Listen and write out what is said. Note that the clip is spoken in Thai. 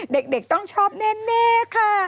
เด็กต้องชอบแน่ค่ะ